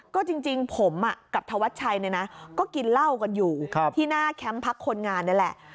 ก็จริงผมกับธวัชชัยเนี่ยนะก็กินเหล้ากันอยู่ที่หน้าแคมป์พักคนงานนี่แหละ